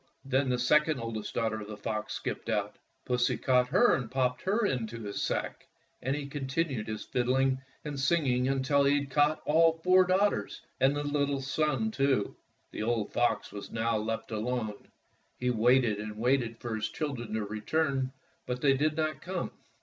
Then the second oldest daughter of the fox skipped out. Pussy caught her and popped her into his sack, and he continued his fid dling and singing until he had caught all four daughters and the little son, too. The old fox was now left alone. He waited and waited for his children to return, but they did not come.